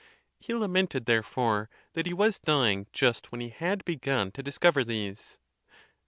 He lamented, therefore, that he was dying just when he had begun to discover these.